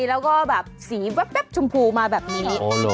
แล้วก็แบบสีแว๊บชมพูมาแบบนี้